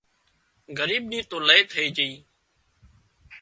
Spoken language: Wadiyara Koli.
ڳريب نِي تو لئي ٿئي جھئي